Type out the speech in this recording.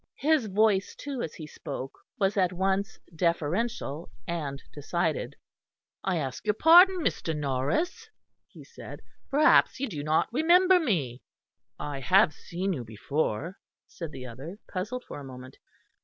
His voice too, as he spoke, was at once deferential and decided. "I ask your pardon, Mr. Norris," he said. "Perhaps you do not remember me." "I have seen you before," said the other, puzzled for a moment.